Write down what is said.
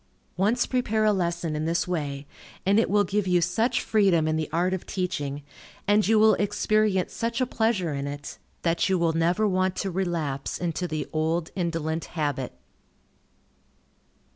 Once prepare a lesson in this way, and it will give you such freedom in the art of teaching, and you will experience such a pleasure in it, that you will never want to relapse into the old indolent habit.